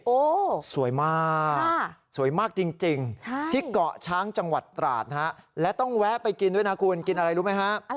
โอ้โหสวยมากสวยมากจริงที่เกาะช้างจังหวัดตราดนะฮะและต้องแวะไปกินด้วยนะคุณกินอะไรรู้ไหมฮะ